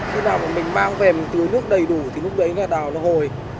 khi nào mà mình mang về mình tươi nước đầy đủ thì lúc đấy là đào nó hồi